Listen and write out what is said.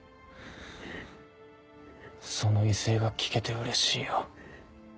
その威勢が聞けて嬉しいよ。